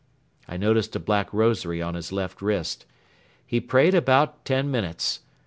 I noticed a black rosary on his left wrist. He prayed about ten minutes.